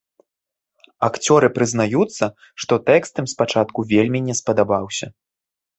Акцёры прызнаюцца, што тэкст ім спачатку вельмі не спадабаўся.